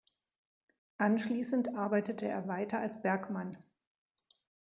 Anschließend arbeitete er weiter als Bergmann.